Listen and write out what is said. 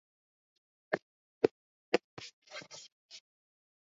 Mlango umevunjika.